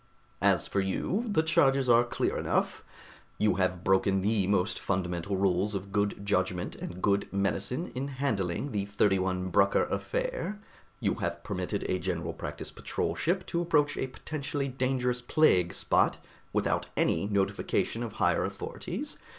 "As for you, the charges are clear enough. You have broken the most fundamental rules of good judgment and good medicine in handling the 31 Brucker affair. You have permitted a General Practice Patrol ship to approach a potentially dangerous plague spot without any notification of higher authorities.